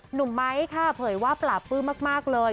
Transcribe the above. หนุ่มไม้ค่ะเผยว่าปลาปลื้มมากเลย